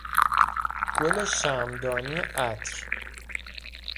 گل شمعدانی عطر